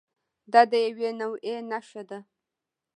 دا د یوې نوعې نښه ده.